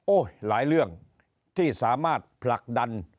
หลายเรื่องที่สามารถผลักดัน